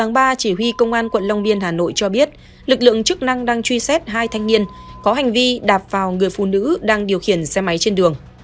ngày ba chỉ huy công an quận long biên hà nội cho biết lực lượng chức năng đang truy xét hai thanh niên có hành vi đạp vào người phụ nữ đang điều khiển xe máy trên đường